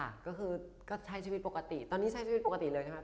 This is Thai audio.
ค่ะก็คือก็ใช้ชีวิตปกติตอนนี้ใช้ชีวิตปกติเลยใช่ไหมครับ